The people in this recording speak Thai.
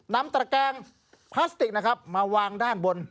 นำตระแกงพลาสติกมาวางด้านบน